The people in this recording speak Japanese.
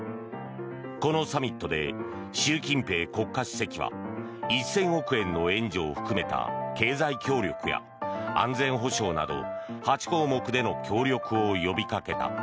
このサミットで習近平国家主席は１０００億円の援助を含めた経済協力や安全保障など８項目での協力を呼びかけた。